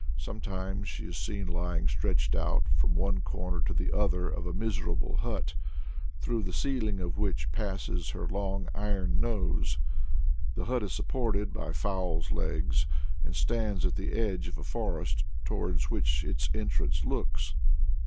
Sometimes she is seen lying stretched out from one corner to the other of a miserable hut, through the ceiling of which passes her long iron nose; the hut is supported "by fowl's legs," and stands at the edge of a forest towards which its entrance looks.